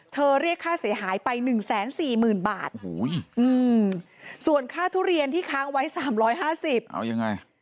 เรียกค่าเสียหายไป๑๔๐๐๐บาทส่วนค่าทุเรียนที่ค้างไว้๓๕๐เอายังไง